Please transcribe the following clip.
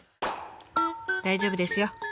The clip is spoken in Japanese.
大丈夫ですよ。